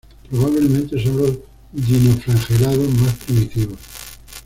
Probablemente son los dinoflagelados más primitivos.